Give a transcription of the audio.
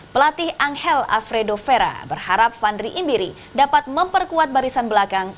pelatih angel alfredo ferra berharap vandri imbiri dapat memperkuat barisan belakang